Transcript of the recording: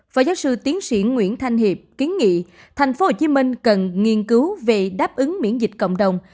phó giáo sư tiến sĩ nguyễn thanh hiệp kiến nghị tp hcm cần nghiên cứu về đáp ứng miễn dịch cộng đồng